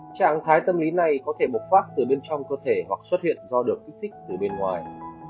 trạng thái tâm lý này có thể bục phát từ bên trong cơ thể hoặc xuất hiện do được kích thích từ bên ngoài